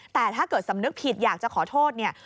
แต่ถ้าเกิดสำนึกผิดอยากจะขอโทษเนี่ย